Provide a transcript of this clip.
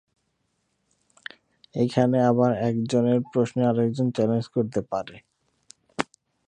এইখানে আবার এক জনের প্রশ্নে আরেকজন চ্যালেঞ্জ করতে পারে।